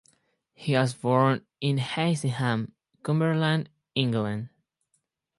He was born in Hensingham, Cumberland, England.